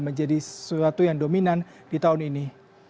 menjadi sesuatu yang dominan di tahun ini